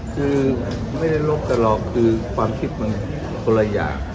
คือไม่ได้ลบตลอดคือความคิดมันคนละอย่าง